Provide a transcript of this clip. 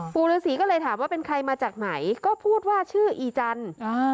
ปู่ฤษีก็เลยถามว่าเป็นใครมาจากไหนก็พูดว่าชื่ออีจันทร์